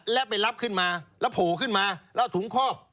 และไปรับขึ้นมาแล้วโผล่ขึ้นมาแล้วถุงคอบ